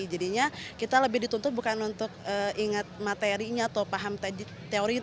jadinya kita lebih dituntut bukan untuk ingat materinya atau paham teori